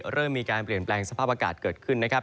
เริ่มมีการเปลี่ยนแปลงสภาพอากาศเกิดขึ้นนะครับ